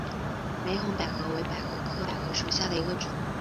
玫红百合为百合科百合属下的一个种。